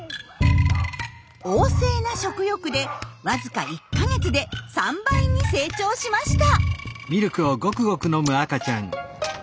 旺盛な食欲でわずか１か月で３倍に成長しました！